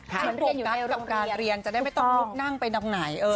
ให้โปรกัสกับการเรียนจะได้ไม่ต้องลุกนั่งไปดังไหน